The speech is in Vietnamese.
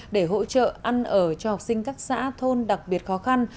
để hỗ trợ ăn ở cho học sinh các xã thôn đặc biệt khó khăn